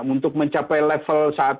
untuk mencapai level satu